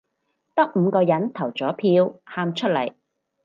得五個人投咗票，喊出嚟